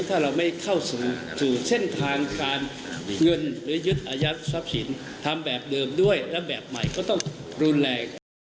ถ้าเราไม่เข้าสู่เส้นทางการเงินหรือยึดอายัดทรัพย์สินทำแบบเดิมด้วยและแบบใหม่ก็ต้องรุนแรง